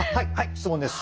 質問です！